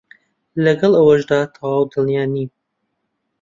لەگەڵ ئەوەشدا تەواو دڵنیا نیم